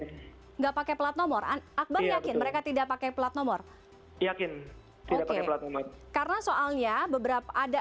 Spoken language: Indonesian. enggak pakai plat nomor akbar yakin mereka tidak pakai plat nomor yakin oke plat nomor karena soalnya beberapa ada